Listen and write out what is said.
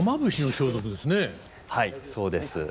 はいそうです。